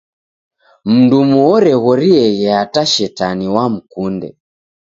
Mndumu oreghorieghe hata shetani wamkunde!